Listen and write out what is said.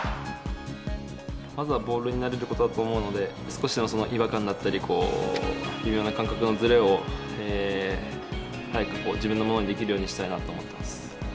まずはボールに慣れることだと思うので、少しでも違和感とかだったり、微妙な感覚のずれを、早く自分のものにしたいなと思います。